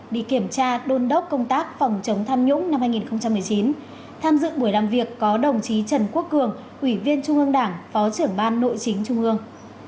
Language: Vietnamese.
đi kiểm tra đôn đốc công tác phòng chống tham nhũng năm hai nghìn một mươi chín tham dự buổi làm việc có đồng chí trần quốc cường ủy viên trung ương đảng phó trưởng ban nội chính trung ương